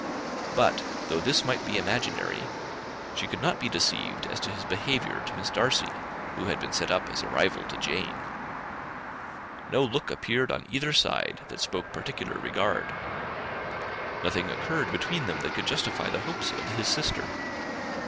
But, though this might be imaginary, she could not be deceived as to his behaviour to Miss Darcy, who had been set up as a rival to Jane. No look appeared on either side that spoke particular regard. Nothing occurred between them that could justify the hopes of his sister.